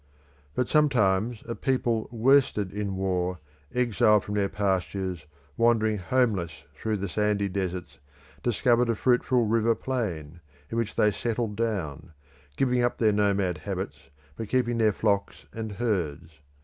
But sometimes a people worsted in war, exiled from their pastures, wandering homeless through the sandy deserts, discovered a fruitful river plain, in which they settled down, giving up their nomad habits, but keeping their flocks and herds.